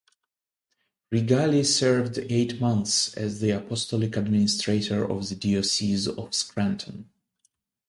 Rigali served eight months as the Apostolic Administrator of the Diocese of Scranton.